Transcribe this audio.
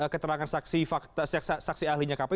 keterangan saksi ahlinya kp